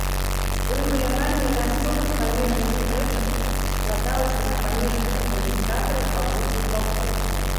Урэгуляванне мясцовых памежных спрэчак ускладалася на памежных адміністратараў абодвух бакоў.